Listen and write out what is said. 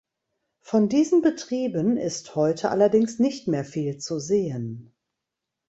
Von diesen Betrieben ist heute allerdings nicht mehr viel zu sehen.